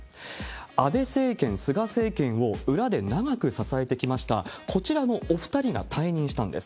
安倍政権、菅政権を裏で長く支えてきました、こちらのお２人が退任したんです。